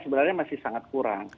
sebenarnya masih sangat kurang